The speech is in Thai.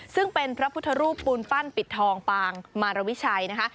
ซึ่งเป็นพระพุทธรูปปูนปั้นปิดทองปางมารวิชัยนะคะ